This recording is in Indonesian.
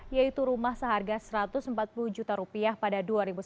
yaitu rumah seharga satu ratus empat puluh juta rupiah pada dua ribu sembilan belas